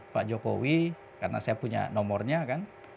pak jokowi karena saya punya nomornya kan